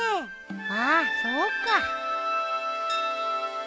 ああそうか。